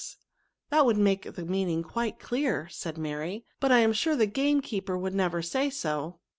That would make the meaning quite dear/ said Maiy ;but lam sure the game keeper would never say so."